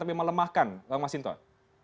tapi melemahkan bang masinton